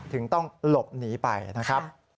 ถึงต้องหลบหนีไปนะครับ